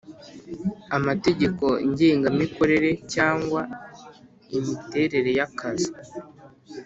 amategeko ngengamikorere cyangwa imiterere y akazi